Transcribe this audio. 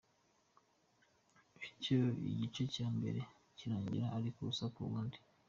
Bityo igice cya mbere kirangira ari ubusa ku bundi.